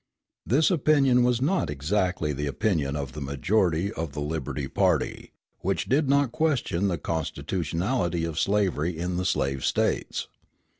This opinion was not exactly the opinion of the majority of the Liberty party, which did not question the constitutionality of slavery in the slave States.